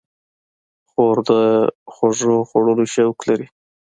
خور د خوږو خوړلو شوق لري.